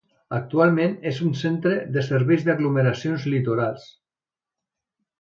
Actualment és un centre de serveis de les aglomeracions litorals.